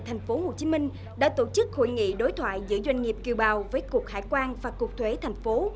tp hcm đã tổ chức hội nghị đối thoại giữa doanh nghiệp kiều bào với cục hải quan và cục thuế thành phố